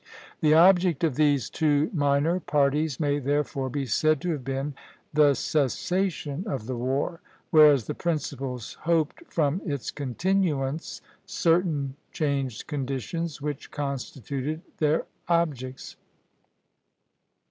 The object of these two minor parties may therefore be said to have been the cessation of the war; whereas the principals hoped from its continuance certain changed conditions, which constituted their objects.